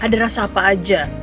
ada rasa apa aja